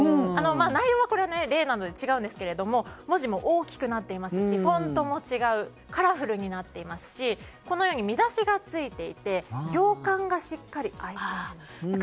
内容は、例なので違うんですが文字も大きくなっていますしフォントも違うしカラフルになっていますし見出しがついていて、行間がしっかり空いているんです。